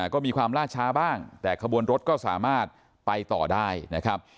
ก็มีความล่าช้าบ้างแต่ขบวนรถก็สามารถไปต่อได้นะครับ